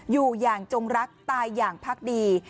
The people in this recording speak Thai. อยู่อย่างจงรักตายอย่างพักดี